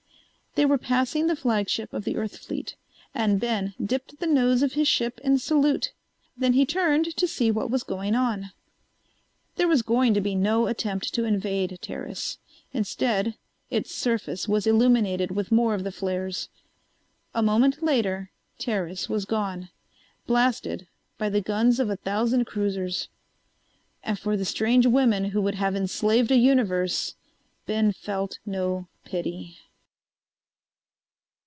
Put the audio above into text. They were passing the flagship of the Earth fleet, and Ben dipped the nose of his ship in salute. Then he turned to see what was going on. There was going to be no attempt to invade Teris. Instead, its surface was illuminated with more of the flares. A moment later Teris was gone, blasted by the guns of a thousand cruisers. And for the strange women who would have enslaved a universe, Ben felt no pity.